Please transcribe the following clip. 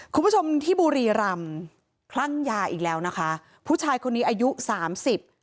คุณผู้ชมที่บุรีรำคลั่งยาอีกแล้วนะคะผู้ชายคนนี้อายุสามสิบ